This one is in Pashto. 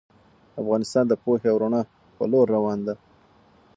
افغانستان د پوهې او رڼا په لور روان دی.